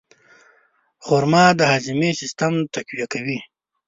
خرما د هاضمې سیستم تقویه کوي.